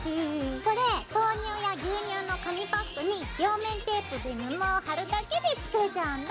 これ豆乳や牛乳の紙パックに両面テープで布を貼るだけで作れちゃうんだ。